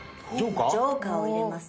ジョーカーを入れます。